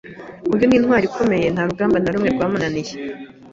Uyu ni intwari ikomeye, nta rugamba na rumwe rwamunaniye.